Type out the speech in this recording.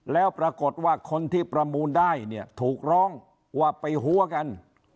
แล้วปรากฏว่าคนที่ประมูลได้เนี่ยถูกร้องว่าไปหัวกัน